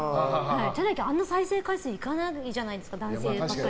じゃなきゃあんな再生回数いかないじゃないですか。